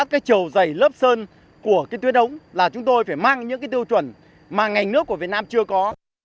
cái tru dày lớp sơn của cái tuyến đống là chúng tôi phải mang những cái tiêu chuẩn mà ngành nước của việt nam chưa có